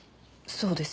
そうですよ。